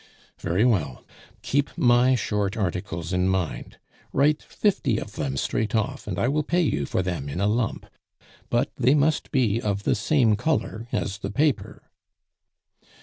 "Very well. Keep my short articles in mind. Write fifty of them straight off, and I will pay you for them in a lump; but they must be of the same color as the paper."